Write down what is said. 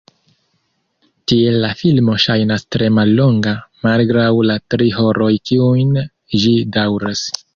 Tiel la filmo ŝajnas tre mallonga malgraŭ la tri horoj kiujn ĝi daŭras.